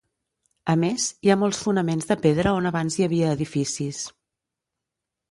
A més, hi ha molts fonaments de pedra on abans hi havia edificis.